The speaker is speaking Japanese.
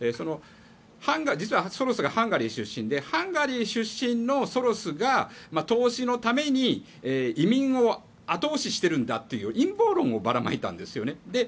実はソロスがハンガリー出身でハンガリー出身のソロスが、投資のため移民を後押ししているんだという陰謀論をばらまいたんです。